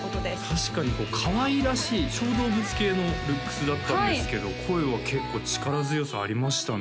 確かにかわいらしい小動物系のルックスだったんですけど声は結構力強さありましたね